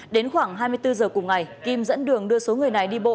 đến khoảng hai mươi bốn giờ cùng ngày kim dẫn đường đưa số người này đi bộ